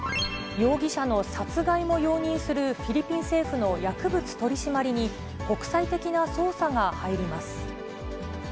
容疑者の殺害も容認する、フィリピン政府の薬物取締りに、国際的な捜査が入ります。